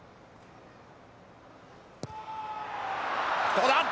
どうだ！